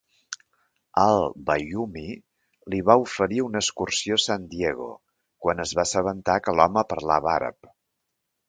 Al-Bayoumi li va oferir una excursió a San Diego quan es va assabentar que l"home parlava àrab.